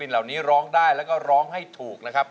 เพลงที่เจ็ดเพลงที่แปดแล้วมันจะบีบหัวใจมากกว่านี้